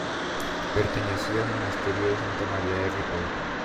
Perteneció al monasterio de Santa María de Ripoll.